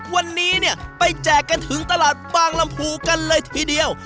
วันนี้เนี่ยไปแจกกันถึงตลาดบางลำพูกันเลยทีเดียว